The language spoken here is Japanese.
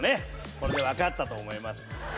これで分かったと思います。